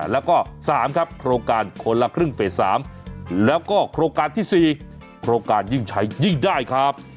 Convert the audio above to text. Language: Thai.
แล้วก็๓ครับโครงการคนละครึ่งเฟส๓แล้วก็โครงการที่๔โครงการยิ่งใช้ยิ่งได้ครับ